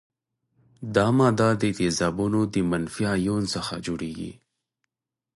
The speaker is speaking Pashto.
دا ماده د تیزابو د منفي ایون څخه جوړیږي.